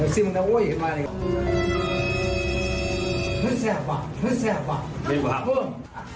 แซ่บแซ่บเป็นผุ้น